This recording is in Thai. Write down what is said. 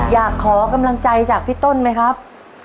อยากขอกำลังใจจากพี่ต้นไหมครับ